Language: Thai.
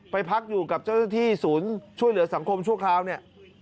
พักอยู่กับเจ้าหน้าที่ศูนย์ช่วยเหลือสังคมชั่วคราวเนี่ย